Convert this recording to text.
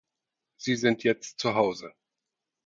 Sie sind jetzt zu Hause.